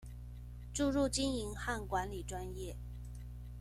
注入經營和管理專業